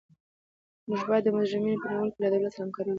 موږ باید د مجرمینو په نیولو کې له دولت سره همکاري وکړو.